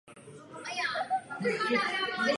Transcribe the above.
Nedomnívám se, že je to dobrý nápad.